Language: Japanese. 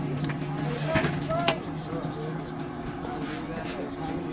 ありがとさんだ。